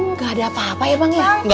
nggak ada apa apa ya bang ya